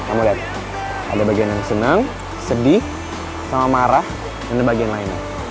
kamu lihat ada bagian yang senang sedih sama marah dan ada bagian lainnya